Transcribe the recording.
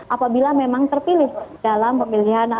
apabila memang terpilih dalam pemilihan